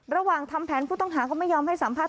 ระหว่างทำแผนพุทธองหาก็ไม่ยอมให้สัมภาษณ์